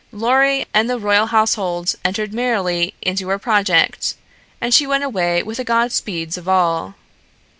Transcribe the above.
Lorry and the royal household entered merrily into her project, and she went away with the godspeeds of all.